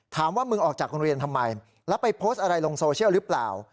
ถามว่ามึงออกจากโรงเรียนทำไมแล้วไปโพสต์อะไรลงโซเชียลหรือเปล่า